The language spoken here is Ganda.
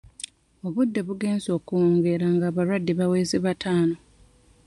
Obudde bugenze okuwungeera ng'abalwadde baweze bataano.